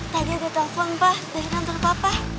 tadi ada telfon pa dari kantor papa